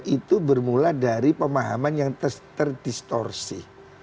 itu bermula dari pemahaman yang terdistorsi